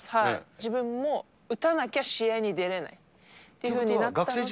自分も打たなきゃ試合に出れないっていうふうになったので。